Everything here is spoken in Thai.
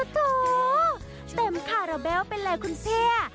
เต็มคาราเบลเป็นไรคุณเพีย่